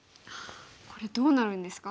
これどうなるんですか？